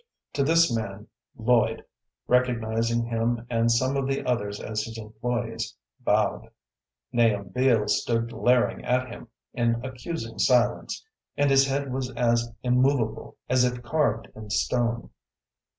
To this man Lloyd, recognizing him and some of the others as his employés, bowed. Nahum Beals stood glaring at him in accusing silence, and his head was as immovable as if carved in stone.